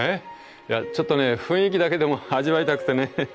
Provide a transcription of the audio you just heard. いやちょっとね雰囲気だけでも味わいたくてね。